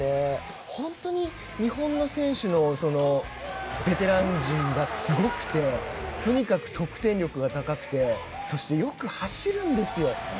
本当に日本の選手のベテラン陣がすごくてとにかく得点力が高くてそして、よく走るんですよ。